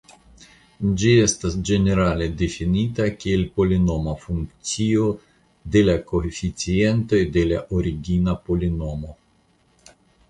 Ĝi estas ĝenerale difinita kiel polinoma funkcio de la koeficientoj de la origina polinomo.